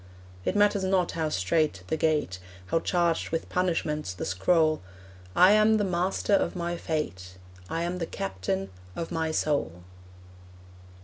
It matters not how strait the gate, How charged with punishments the scroll, I am the master of my fate: I am the captain of my soul.